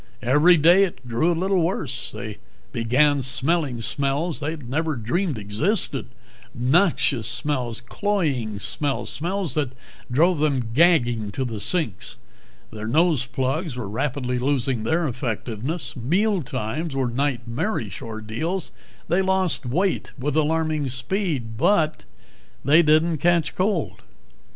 Every day it grew a little worse. They began smelling smells they never dreamed existed noxious smells, cloying smells, smells that drove them gagging to the sinks. Their nose plugs were rapidly losing their effectiveness. Mealtimes were nightmarish ordeals; they lost weight with alarming speed. But they didn't catch cold.